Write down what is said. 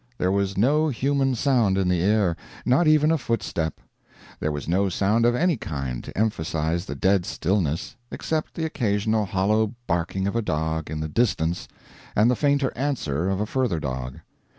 There was no human sound in the air, not even a footstep. There was no sound of any kind to emphasize the dead stillness, except the occasional hollow barking of a dog in the distance and the fainter answer of a further dog.